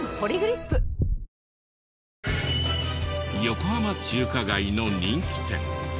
横浜中華街の人気店。